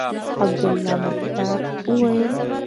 عبدالله مختیار ویلي